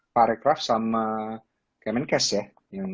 parecraft sama kemenkes ya